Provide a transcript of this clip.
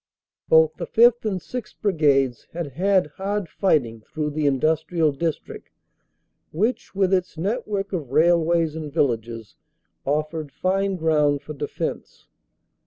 Both the 5th. and 6th. Brigades had had hard fighting through the industrial district which with its net work of railways and villages offered fine ground for defense.